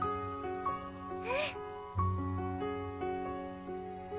うん